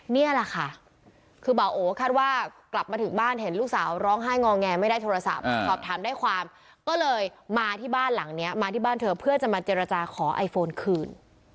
นี่แหละค่ะคือเบาโอคาดว่ากลับมาถึงบ้านเห็นลูกสาวร้องไห้งอแงไม่ได้โทรศัพท์สอบถามได้ความก็เลยมาที่บ้านหลังนี้มาที่บ้านเธอเพื่อจะมาเจรจาขอไอโฟนคืน